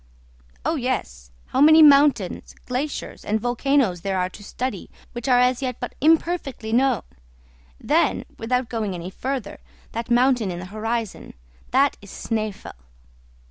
"Oh, yes; how many mountains, glaciers, and volcanoes there are to study, which are as yet but imperfectly known! Then, without going any further, that mountain in the horizon. That is Snæfell."